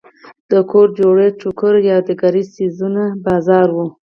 د کور جوړو ټوکریو او یادګاري څیزونو بازار و.